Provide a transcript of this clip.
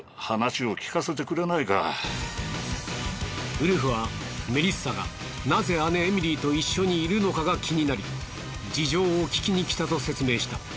ウルフはメリッサがなぜ姉エミリーと一緒にいるのかが気になり事情を聞きにきたと説明した。